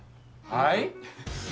はい？